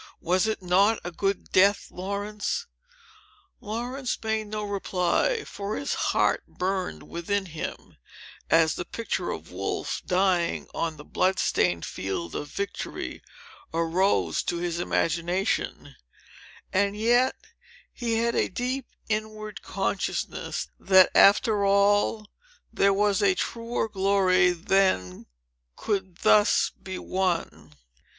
"Was it not a good death, Laurence?" Laurence made no reply; for his heart burned within him, as the picture of Wolfe, dying on the blood stained field of victory, arose to his imagination; and yet, he had a deep inward consciousness, that, after all, there was a truer glory than could thus be won.